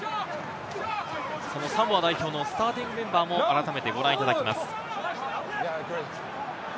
そのサモア代表のスターティングメンバーも、改めてご覧いただきます。